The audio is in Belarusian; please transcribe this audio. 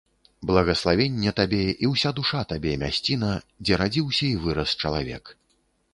Благаславенне табе і ўся душа табе, мясціна, дзе радзіўся і вырас чалавек.